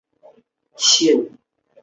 山东乡试第三十九名。